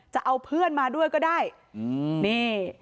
จะเอาเพื่อนมาด้วยก็ได้นี่